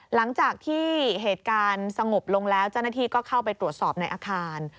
หลังจากที่เหตุการณ์สงบลงแล้วเจ้าหน้าที่ก็เข้าไปตรวจสอบในอาคาร